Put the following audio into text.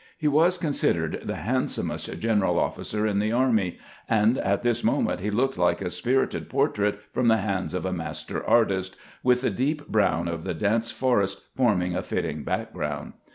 He was considered the handsomest general officer in the army, and at this moment he looked like a spirited portrait from the hands of a master artist, with the deep brown of the dense forest forming a fitting background.